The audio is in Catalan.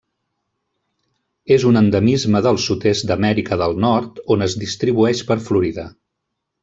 És un endemisme del sud-est d'Amèrica del Nord on es distribueix per Florida.